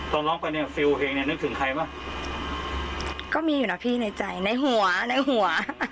ตอนร้องไปเนี่ยฟิลล์เองเนี่ยนึกถึงใครบ้างก็มีอยู่นะพี่ในใจในหัวในหัว